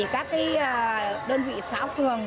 các đơn vị xã ốc thường